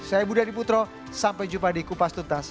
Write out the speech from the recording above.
saya budi adiputro sampai jumpa di kupas tuntas